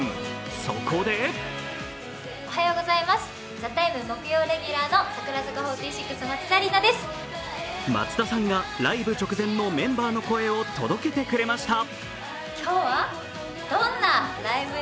そこで松田さんがライブ直前のメンバーの声を届けてくれました。